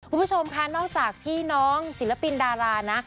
คุณผู้ชมค่ะนอกจากพี่น้องศิลปินดารานะ